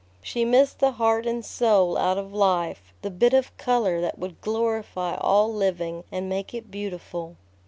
She missed the heart and soul out of life, the bit of color that would glorify all living and make it beautiful.